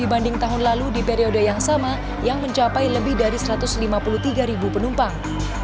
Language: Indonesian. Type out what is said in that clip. dibanding tahun lalu di periode yang sama yang mencapai lebih dari satu ratus lima puluh tiga penumpang